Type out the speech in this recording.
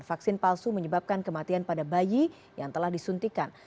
vaksin palsu menyebabkan kematian pada bayi yang telah disuntikan